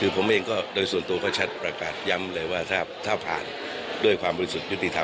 คือผมเองก็โดยส่วนตัวเขาชัดประกาศย้ำเลยว่าถ้าผ่านด้วยความบริสุทธิ์ยุติธรรม